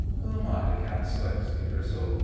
"Who am I to count slips?" he bristled.